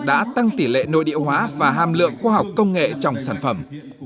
đã tăng tỷ lệ nội địa hóa và hàm lượng khoa học công nghệ trong sản phẩm